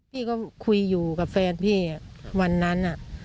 พี่ก็คุยอยู่กับแฟนพี่วันนั้น